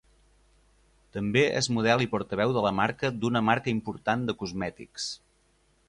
També és model i portaveu de la marca d’una marca important de cosmètics.